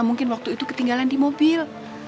mungkin waktu itu ketinggalan di mobil